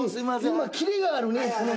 今キレがあるね